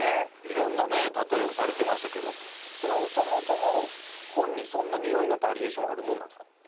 色んな例えをされてましたけどそもそも本にそんな匂いのバリエーションあるもんなんですか？